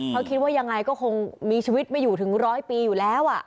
เพราะคิดว่ายังไงก็คงมีชีวิตไม่อยู่ถึงร้อยปีอยู่แล้ว